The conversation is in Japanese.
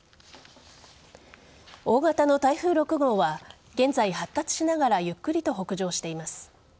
大型の台風６号は現在、発達しながらゆっくりと北上しています。